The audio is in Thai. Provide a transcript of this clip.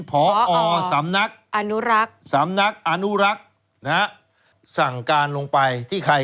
เผาพสำนักอันุรักสำนักออน้อรักนะฮะสั่งการลงไปที่ใคร